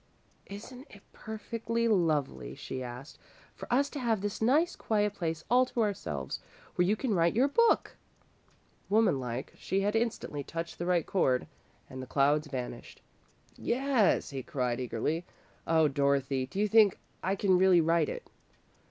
"Isn't it perfectly lovely," she asked, "for us to have this nice, quiet place all to ourselves, where you can write your book?" Woman like, she had instantly touched the right chord, and the clouds vanished. "Yes," he cried, eagerly. "Oh, Dorothy, do you think I can really write it?"